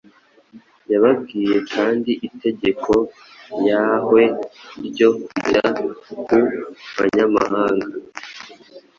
Yababwiye kandi itegeko yahwe ryo kujya ku banyamahanga,